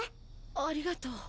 ありがとう。